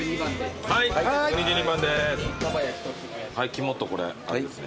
肝とこれあれですね。